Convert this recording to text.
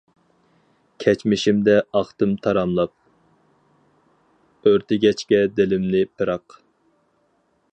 كەچمىشىمدە ئاقتىم تاراملاپ، ئۆرتىگەچكە دىلىمنى پىراق!